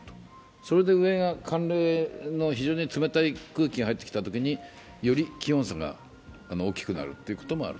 それで上が寒冷の非常に冷たい空気が入ってきたときに、より気温差が大きくなることもある。